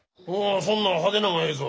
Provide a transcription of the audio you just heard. そんなん派手なんがええぞ。